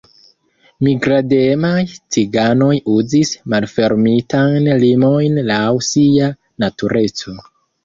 Migrademaj ciganoj uzis malfermitajn limojn laŭ sia natureco.